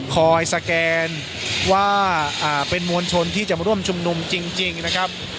สแกนว่าเป็นมวลชนที่จะมาร่วมชุมนุมจริงนะครับ